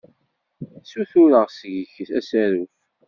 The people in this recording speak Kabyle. Ssutureɣ seg-k asaruf.